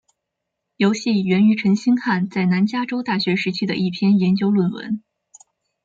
游戏源于陈星汉在南加州大学时期的一篇研究论文。